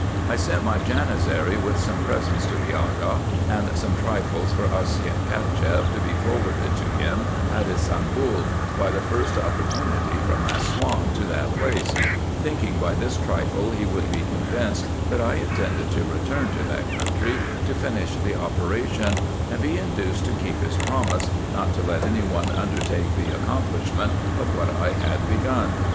I sent my Janizary with some presents to the Aga, and some trifles for Osseyn CachefF, to be forwarded to him at Ybsambul, by the first opportunity from Assouan to that place ; thinking by this trifle he would be con vinced, that I intended to return to that country to finish the operation, and be induced to keep his promise, not to let any one undertake the accomplishment of what I had begun.